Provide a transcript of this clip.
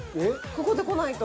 ここでこないと。